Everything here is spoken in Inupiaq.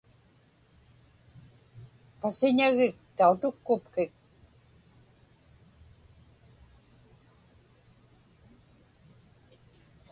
Pasiñagik tautukkupkik.